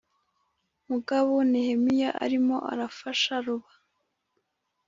Mugabo nehemiya arimo arafasha ruba